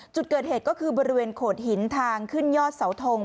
จุดเกิดเหตุก็คือบริเวณโขดหินทางขึ้นยอดเสาทง